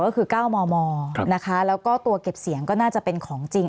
ก็คือ๙มมนะคะแล้วก็ตัวเก็บเสียงก็น่าจะเป็นของจริง